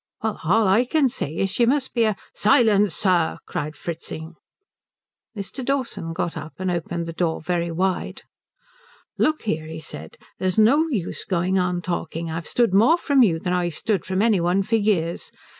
"Well, all I can say is she must be a " "Silence, sir!" cried Fritzing. Mr. Dawson got up and opened the door very wide. "Look here," he said, "there's no use going on talking. I've stood more from you than I've stood from any one for years.